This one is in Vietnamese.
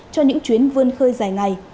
cho những chuyến vươn khơi dài ngày